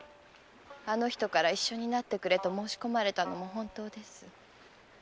あの人から「一緒になってくれ」と申し込まれたのも本当です。